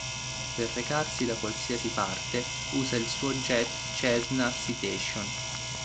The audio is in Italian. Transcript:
Per recarsi da qualsiasi parte usa il suo jet Cessna Citation.